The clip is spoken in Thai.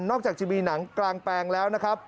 จากจะมีหนังกลางแปลงแล้วนะครับ